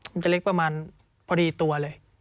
มันจะเล็กประมาณพอดีตัวเลย